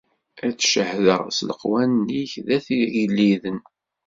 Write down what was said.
Ad d-cehhdeɣ s leqwanen-ik ddat yigelliden.